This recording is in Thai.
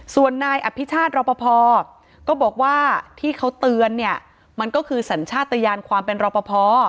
ส่วนนายอภิชาติรอปภก็บอกว่าที่เขาเตือนเนี่ยมันก็คือสัญชาติยานความเป็นรอปภ